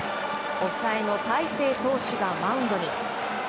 抑えの大勢投手がマウンドに。